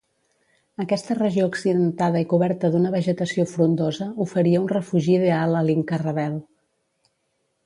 Aquesta regió accidentada i coberta d'una vegetació frondosa oferia un refugi ideal a l'Inca rebel.